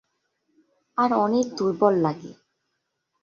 আর অনেক দুর্বল লাগে।